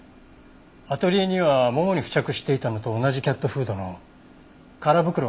アトリエにはももに付着していたのと同じキャットフードの空袋が捨ててあったんですが。